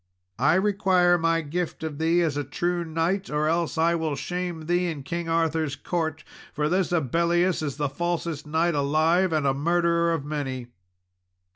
I require my gift of thee as a true knight, or else will I shame thee in King Arthur's court; for this Abellius is the falsest knight alive, and a murderer of many."